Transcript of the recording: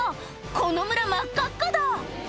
この村真っ赤っ赤だ